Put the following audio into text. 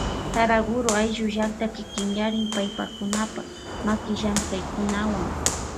Saraguro ayllu llakta kikinyarin paypakunapa makillamkaykunawa.